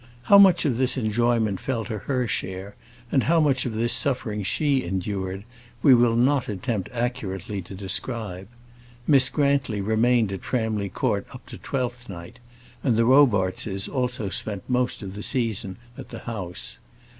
How much of this enjoyment fell to her share, and how much of this suffering she endured, we will not attempt accurately to describe. Miss Grantly remained at Framley Court up to Twelfth Night, and the Robartses also spent most of the season at the house.